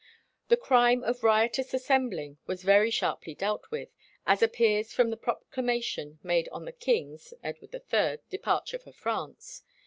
The crime of riotous assembling was very sharply dealt with, as appears from the proclamation made on the king's (Edward III) departure for France.